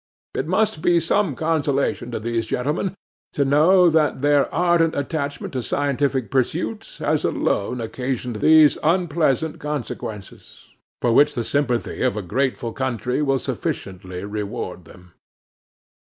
It must be some consolation to these gentlemen to know that their ardent attachment to scientific pursuits has alone occasioned these unpleasant consequences; for which the sympathy of a grateful country will sufficiently reward them.